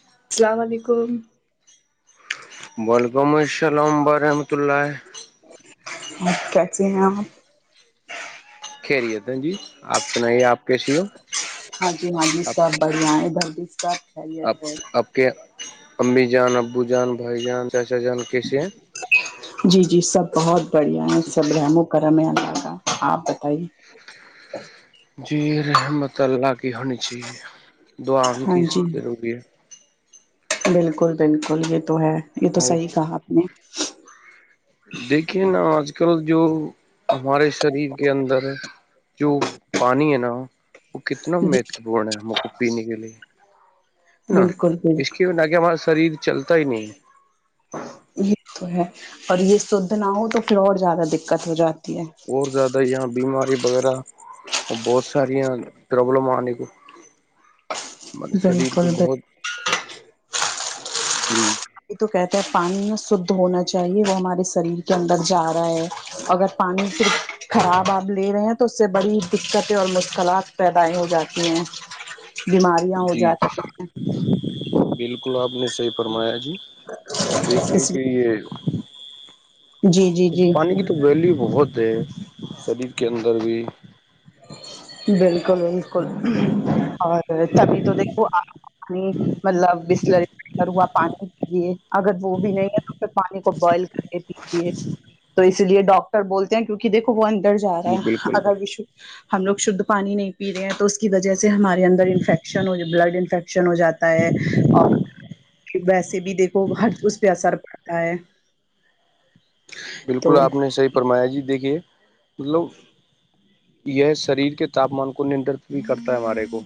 ہاں السلام علیکم وعلیکم السلام ورحمۃ اللہ ا کیس ہیں آپ خھیریت جی آپ سنائیے آپ کیسی ہو ہاں جی ہاں جی آپ سب بڑھیا ہے بھر بھی سب خیلیت آپ ہے آپ کے امی جان ابو جان بھائی جان چاچا جان کیسے جی جی سب بہت بڑھیا ہیں سب رحم و کرم اللہ کا آپ بتائیے جی رحمت اللہ کی ہونی چاہیے دعاں ہاں جی کیری ہے بالکل بالکل یہ تو ہے یہ تو اور صحیح کہا آپ نے دیکھیے نا آج کل جو ہمارے شریر کے اندر ہے جو پانی ہے نا وہ کتنا جی مہتوپورن ہے ہم کو پینے کے لیے نا بالکل اس کے بالکل نہ کہ ہمارا شریر چلتا ہی نہیں ہے یہ تو ہے اور یہ شدھ نہ ہو تو پھر اور زیادہ دقت ہو جاتی ہے اور زیادہ یہاں بیماری وغیرہ اور بہت ساری یہ پرابلم آنے کو ہمارے بالکل شریر کو بالکل بہت جی یہ تو کہتے ہیں پانی ن شھ ہونا چاہیے وہ ہمارے شریر کے اندر جا رہا ہے اگر پانی صرف خراب آپ لے رہے ہیں تو اس سے بڑی دقتیں اور مشکلات پیدائ ہو جاتی ہیں ج بیماریاں ہو جی جاتی ہیں جی بالکل آپ نے صحیح فرمایا جی دیکھ ل اس کہ یہ جی جی جی پانی کی تو ویلیو بہت ہے شریر کے اندر بھی بالکل بالکل اور تبھی تو دیکھوپ نہیں مطلب بسلری جی تروا پانی کے لیے اگر وہ بھی نہیں ہے تو پھر پانی کو بوائل کر ے تو اس لیے ڈاکٹر بولتے ہیں کیونکہ دیکھو وہ اندر جا رہا ہے بالکل اگر بالکل وشو ہم لوگ شدھ پانی نہیں پی رہے ہیں تو اس کی وجہ سے ہمارے اندر انفیکشن ہو بلڈ انفیکشن شن ہو جاتا ہے اور ویسے بھی دیکھو ہر اس پہ اثر پڑتا ہے بالکل تو آپ نے صحیح فرمایا جی دیکھیے مطلب یہ شریر کے تاپمان کو نندرت بھی کرتا ہے ہمارے کو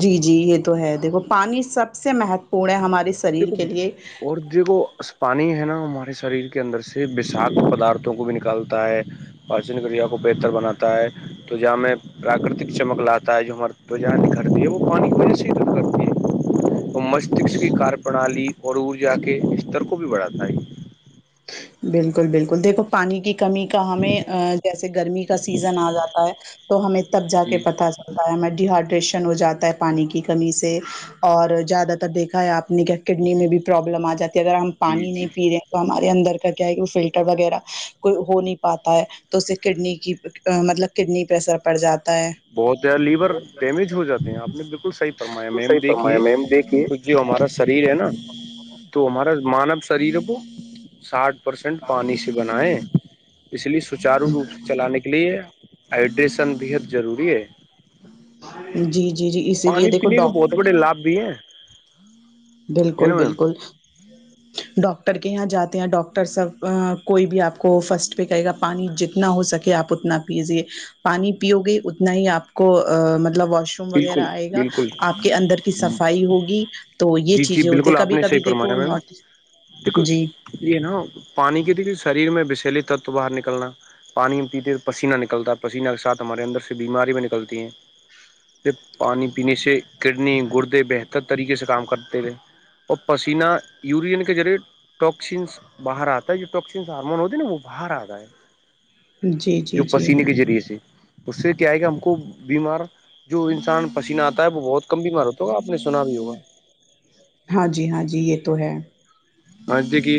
جی جی یہ تو ہے دیکھو پانی سب سے مہتوپورن ہے ہمارے شریر دیکھو کے لیے اور دیکھو پانی ہے نا ہمارے شریر کے اندر سے بساک پدارتھوں کو بھی نکالتا ہے پراچن کریا کو بہتر بناتا ہے تو جہاں میں پراکرتک چمک لاتا ہے جو ہمار تو جہاں نکھرتی ہے وہ پانی وجہ سے ہیٹ کرتی ہے اور مستشک کی کار پرنالی اور ع جا کے بتر کو بھی بڑھاتا ہے بالکل بالکل دیکھو پانی کی کمی کا ہمیں جیسے گرمی کا سیزن آ جاتا ہے تو ہمیں تب جا کے جی پتا تا ہے ہمیں ڈیہائیڈریشن ہو جاتا ہے پانی کی کمی سے اور زیادہ تر دیکھا ہے آپ نے کیا کڈنی میں بھی پرابلم آ جاتی ہے اگر ہم جی پانی جی نہیں پی رہے ہیں تو ہمار اندر کا کیا ہے کہ وہ فلٹر وغیرہ کوئی ہو نہیں پاتا ہے تو اسے کڈنی کی مطلب کڈنی پریسر پڑ جاتا ہے بہت لیور ڈیمیج ہو جاتے ہیں آپ نے بالکل صحیح فرمایا بالکل میم صحیح فرمایا دیکھیے میم دیکھیے جی ہمارا شریر ہے نا تو ہمارا مانو شریر کو ساٹھ پرسینٹ پانی سے بنیں اس لیے سچارو روپ سے چلانے کے لئے ہائڈریشن بحد ضروری ہے جی جی جی اسی لیے پانی دیکھو پینے کے بہت ڈاکٹر بڑے لابھ بھی ہیں بالکل بالکل ہم ڈاکٹر کے یہاں جاتے ہیں ڈاکٹر سب کوئی بھی آپ کو فرسٹ پہ کہے گا پانی جتنا ہو سکے آپ انا اتنا پیجے پانی پیو گے اتنا ہی آپ کو مطلب واش ر وغیرہ بالکل آئے گا بالکل آپ کے اندر کی صفائی ہوگی تو یہ جی جی چیزیں ہوتی ہے بالکل آپ کبھی نے صحیح کبھی فرمایا دیکھو میم نوٹ بالکل جی یہ نا پانی کی ت شریر میں بسلیے تتو باہر نکلنا پانی ہم پیتے تو پسینہ نکلتا ہے پسینہ کے ساتھ ہمارے اندر سے بیمارییا بھی نکلتی ہیں پھر پانی پینے سے کڈنی گردے بہتر طریقے سے کام کرتے تھے اور پسینہ یورین کے ذریعے ٹوکسینس باہر آتا ہے جو ٹاکسینس ہارمون ہوتی ہے نا وہ باہر آتا ہے جی جی جو جی پسینے کے ذریعے سے اس سے کیا ہے کہ ہم کو بیمار جو انسان پسینہ آتا ہے وہ بہت کم بیمار ہوتا ہوگا آپ نے سنا بھی ہوگا ہاں جی ہاں جی یہ تو ہے ہج د کی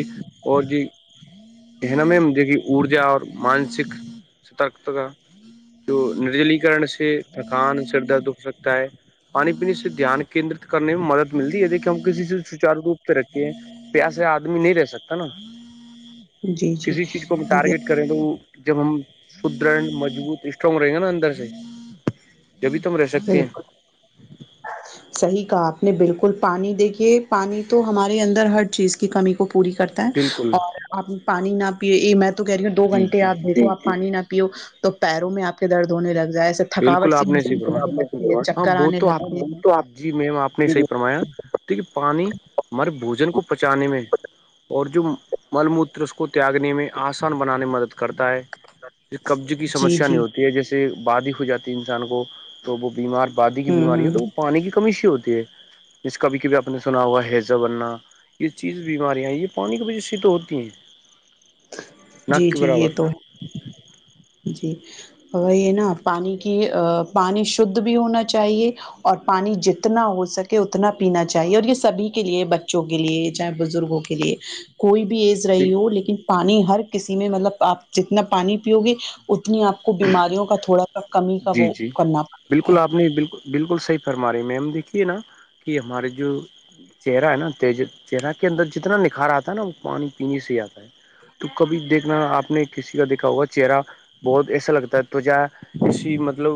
اور جی ا میں جو کہ ارجا اور مانسک سترک کا جو نرجلیکرن سے تھکان سر درد ہو سکتا ہے پانی پینے سے دھیان کیندرت کرنے میں مدد ملتی ہے دیک کہ ہم کسی سے سچارو روپ سے رکھے ہیں پس آدمی نہیں رہ سکتا نا جی جی کسی چیز کو بھی دیکھیے ٹارگیٹ کریں تو وہ جب ہم سدر مضبوط اسٹرگ رہیں گے نا اندر سے جبھی ت ہم رہ سکتے ہیں بالکل صحیح کہا آپ نے بالکل پانی دیکھیے پانی تو ہمارے اندر ہر چیز کی کمی کو پوری کرتا بالکل اور آپ پانی نہ پی میں تو کہہ رہی ہوں دو جی گھنٹے جی آپ د آپ پانی نہ پیو تو پیروں میں آپ کے درد ہونے لگ جائے ایسے تھکاوٹ بالکل سی آپ نے صحیح موسم فرمایا ہاں چکر وہ آنے ل تو آپ جی میم آپ نے جی صحیح جی فرمایا دیکھیے پانی ہمر بوجن کو پچانے میں اور جو مل موتر اس کو تیاگنے میں آسان بنانے میں مدد کرتا ہے قبضے کی جی سمسیا نہیں جی ہوتی ہے جیسے باد ہو جاتی انسان کو تو وہ بیمار بادی کی ہوں بیماری ہے ہ تو وہ پانی کی کمی سی ہوتی ہے جس کبھی کبھی آپ نے سنا ہوا ہیزہ بننا یہ چیز بیماریاں ہیں یہ پانی کی وجہ سے تو ہوتی ہیں جی ناک کے جی یہ برابر تو جی یہ نا پانی کی پانی شھ بھی ہونا چاہیے اور پانی جتنا ہو سکے اتنا پینا چاہیے اور یہ سبھی کے لیے بچوں کے لیے چاہے بزرگوں کے لیے کوئی بھی ایز رہی بالکل ہو لیکن پانی ہر کسی میں مطلب آپ جتنا پانی پیو گے اتنی آپ کو بیماریوں کا تھوڑا سا کمی کا جی وہ جی کرنا پڑتا بالکل ہے آپ نے بالکل بالکل صحیح فرماے میم دیکھیے نا کہ ہمارے جو چہرہ ہے نا تی چہرہ کے اندر جتنا نکھار آتا ہے نا وہ پانی پینے سے ہی آتا ہے تو کبھی دیکھنا آپ نے کسی کا دیکھا ہوا چہرہ بہت ایسا لگتا ہے توجا اسسی مطلب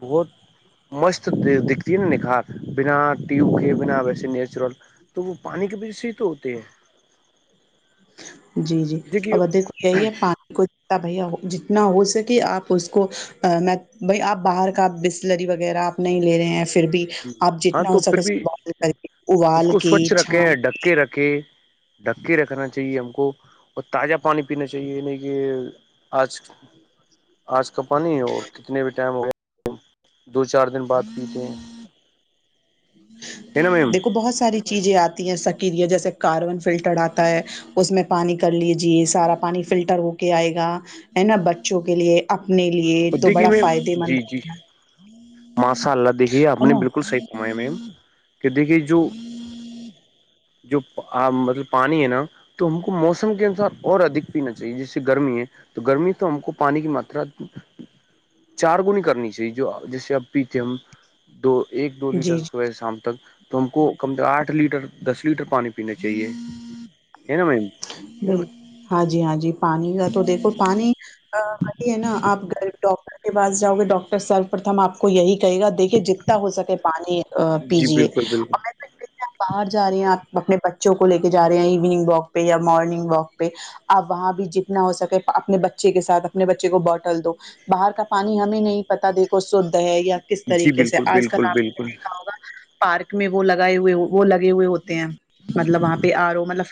بہت مست دکھتی ہے نا نکھار بنا ٹیو کے بنا ویسے نیچرل تو وہ پانی کے بیچ سے ہی تو ہوتے ہیں جی جی ا دیکھیے ادے کو ہے ہی ہے پانی کوئی بھیا جتنا ہو سکے آپ اس کو میں بھ آپ باہر کا بسلری وغیرہ نہیں لے رہے ہیں پھر بھی جی آپ ہاں جتنا ہو تو سکے پھر بھی اسنبال کر کے ابال کے چھان ر کے رکھے ڈھکی رکھنا چاہیے ہم کو اور تازہ پانی پینا چاہیے نہیں کہ آج [inaudible] [inaudible] آج کا پانی اور کتنے بھی ٹائم ہو گیا دو چار دن بعد پیتے ہیں ہے نا میم دیکھو بہت ساری چیزیں آتی ہیں سکیریا جیسے کاربن فلٹرڈ آتا ہے اس میں پانی کر لیجے سارا پانی فلٹر ہو کے آئے گا ہے نا بچوں کے لیے اپنے لیے اور تو دیکھیے بڑا میم فائدے مند جی جی ہے ماشاء اللہ دیکھیے آپ نے نا بالکل صحیح کمایا میںیم کہ دیکھیے جو جو مطلب پانی ہے نا تو ہم کو موسم کے انسار اور ادک پینا چاہیے جیسے گرمی ہے تو گرمی سے ہم کو پانی کی ماترا چار گنی کرنی چاہیے جو جیسے اب پیٹی ایم دو ایک دو جی لیٹر جی سوئے شام تک تو ہم کو کم سے آٹھ لیٹر دس لیٹر پانی پینے چاہیے ہے نا میم ب ہاں جی ہاں جی پانی کا تو دیکھو پانی بی ہے نا آپ گھر ڈاکٹر کے پاس جاؤ گے ڈاکٹر صرب پرتم آپ کو یہی کہے گا دیکھیے جتنا ہو سکے پانی جی پیجیے بالکل بالکل اور آپ باہر جا رہی ہیں آپ اپنے بچوں کو لے کے جا رہے ہیں ایوننگ واک پہ یا مارننگ واک پہ آپ وہاں بھی جتنا ہو سکے اپنے بچے کے ساتھ اپنے بچے کو بوٹل دو باہر کا پانی ہمیں نہیں پتا دیکھو شھ ہے یا کس جی طریقے سے بالکل آج کل بالکل آپ نے بالکل دیکھا ہوگا پارک میں وہ لگائے ہوئے وہ لگے ہوئے ہوتے ہیں مطلب وہاں پہ آرو مطلب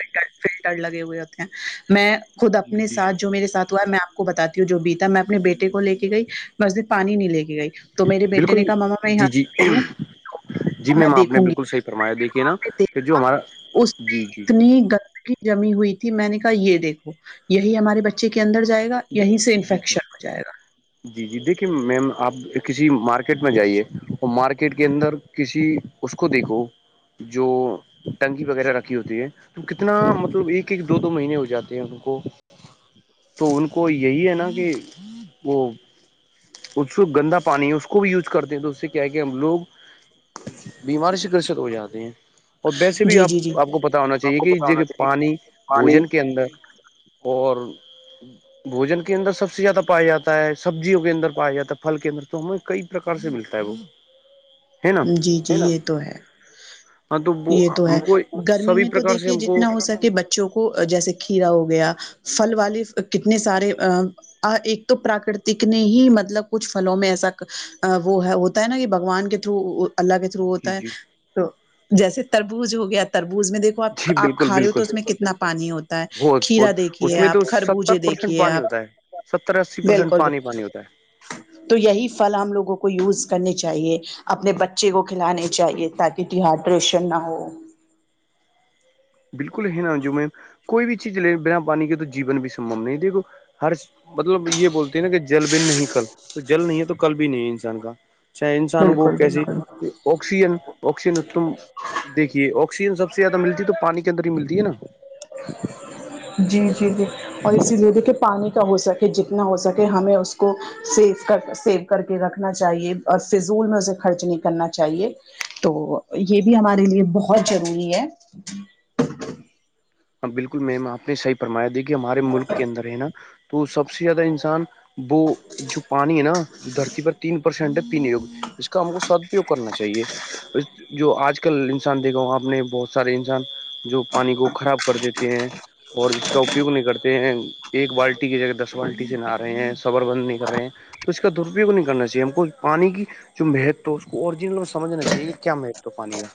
فلٹر لگے ہوئے ہوتے ہیں میں خود جی اپنے جی سھ جو میرے سات ہوا ہے میں آپ کو بتاتی ہوں جو بی میں اپنے بیٹے کو لے کے گئی مسجد پانی نہیں لے کے گئی تو میرے بیٹے بالکل نے کہا ماما میں یہاں جی جی سے پی لوں جی میں میم آپ نے دیکھوں گی بالکل صحیح فرمایا دیکھیے وہاں نا پہ کہ جو دیکھا ہمارا اس میں جی جی اتنی گندگی جمی ہوئی تھی میں نے کہا یہ دیکھو یہی ہمارے بچے کے اندر جائے گا جی یہیں سے جی انفیکشن ہو جائے گا جی جی دیکھیے میم آپ کسی مارکیٹ میں جائیے اور مارکیٹ کے اندر کسی اس کو دیکھو جو ٹنکی وغیرہ رکھی ہوتی ہے تو کتنا مطلب ایک ایک دو دو مہینے ہو جاتے ہیں ان کو تو ان کو یہی ہے نا کہ وہ اس کو گندا پانی ہے اس کو بھی یوز کرتے ہیں تو اس سے کیا ہے کہ ہم لوگ بیماری سے گرست ہو جاتے ہیں اور ویسے بھی جی آپ جی جی آپ کو پت ہونا آپ چاہیے کو کہ پتا ہونا د چاہیے کہ پانی پانی بوجن کے اندر اور بوجن کے اندر سب سے زیادہ پایا جا ہے سبزیوں کے اندر پایا جات ہےھل کے اندر تو ہمیں کئی پرکار سے ملتا ہے وہ ہے نا جی جی یہ تو ہے ہاں تو وہ یہ تو ہے ہم کو گرمی سبھی میں تو پرکار سے دیکھیے ہم کو جتنا ہو سکے بچ بچوں کو جیسے کھیرا ہو گیا پھل والے کتنے سارے ا ایک تو پراکرتک نے ہی مطلب کچھ فھلوں میں ایسا وہ ہے ہوتا ہے نا کہ بگوان کے تھرو اللہ کے تھرو جی ہوتا ہے جی تو جیسے تربوز ہو گیا تربوز میں دیکھو آپ جی آپ بالکل کھا رہے ہو بالکل تو اس میں کتنا پانی ہوتا ہے بہت کھیرا بہت اس دیکھیے میں تو آپ ستر خربوجے پرسینٹ دیکھیے پانی آپ ہوتا ہے ستر اسی پرسینٹ بالکل پانی بالکل پانی ہوتا ہے تو یہی فل ہم لوگوں کو یوز کرنے چاہیے اپنے بچے کو کھلانے چاہیے تاکہ ڈیہائیڈریشن نہ ہو بالکل ہے نا جو میں کوئی بھی چیز لے بنا پانی کے تو جیون بھی سمبم نہیں دیکھو ہر مطلب یہ بولتی ہیں نا کہ جل بھی نہیں کل تو جل نہیں ہے تو کل بھی نہیں ہے انسان کا چاہے انسان بو بالکل کیاسی بالکل آکسیجن آکسیجن اتم دیکھیے آکسیجن سب سے زیادہ ملتی تو پانی جندری ملتی ہے نا جی جی جی اور اسی لیے دیکھے پانی کا ہو سکتا کہ جتنا ہو سکے ہمیں اس کو سیف کر سیو کر کے رکھنا چاہیے اور فضول میں اسے خرچ نہیں کرنا چاہیے تو یہ بھی ہمارے لیے بہت ضروری ہے ہاں بالکل میم آپ نے صحیح فرمایا دی کہ ہمارے ملک کے اندر ہے نا تو سب سے زیادہ انسان وہ جو پانی ہے نا دھرتی پر تین پرسینٹ پینے ہوگ اس کا ہم کو سدپیو کرنا چاہیے اس جو آج کل انسان دیکھا ہو آپ نے بہت سارے انسان جو پانی کو خراب کر دیتے ہیں اور جس کا اپیوگ نہیں کرتے ہیں ایک بالٹی کی جگہ دس بالٹی سے نہ رہے ہیں صبر بند نہیں کر رہے ہیں تو اس کا درپیوگ نہیں کرنا چاہیے ہم کو پانی کی جو مہتو ہے اس کو اوریجنل میں سمجنا چاہے کہ کیا مہتو ہے پانی کا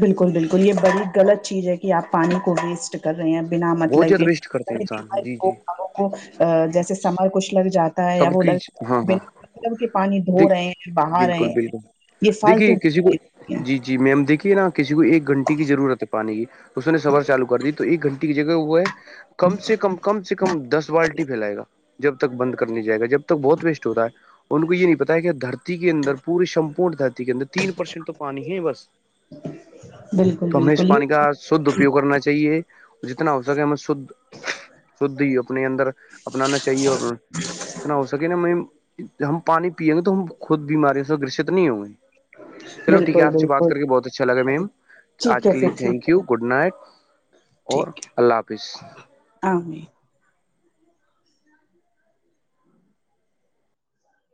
بالکل بالکل یہ بڑی غلط چیز ہے کہ آپ پانی کو ویسٹ کر رہے ہیں بنا بہت مطلب زیادہ یہ ویسٹ کرتے ہیں انسان جی لوگ جی لوں کو جیسے سمر کچھ لگ جاتا یا سب وہ کی لگ ہاں رہ ہاں بنا مطلب کہ پانی دھو دیک رہے ہیں بہا رہے بالکل ہیں بالکل [unintelligible] یہ فالتو [unintelligible] ی میم دیکھیے نا کسی کو ایک گھنٹے کی ضرورت ہے پانی کی اس نے سفر چالو کر دی تو ایک گھنٹے [unintelligible] جگہ ہو ہے کم سے کم [unintelligible] کم سے کم دس بالٹی پھیلائے گا جب تک بند کر نہیں جائے گا جب تک بہت ویسٹ ہوتاا ہے [unintelligible] ان کو یہ نہیں پتا ہے کہ دھرتی کے اندر پوری سمپورن دھرتی کے اندر تین پرسینٹ تو پانی ہے بس بالکل تو ہمیں اس بالکل یہ پانی کا شھ اپیوگ کرنا چاہیے [unintelligible] جتنا ہو سکے ہم شھ شھ ہی اپنے اندر اپنانا چاہیے اور اتنا ہو سکے نا ہم پانی پییں گے تو ہم خود بیماریوں سے گرست نہیں ہوں گے [unintelligible] چلو ٹھیک ہے بالکل آپ سے بات کر کے بالکل بہت اچھا لگا میم ٹھیک آج ہے کے لیے پھر ٹھیک تھینک یو ہے گڈ نائٹ اور اللہ حافظ ہ [inaudible]